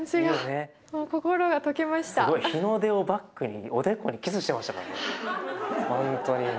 日の出をバックにおでこにキスしてましたからね